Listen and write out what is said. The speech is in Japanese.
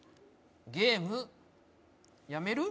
ゲームやめる？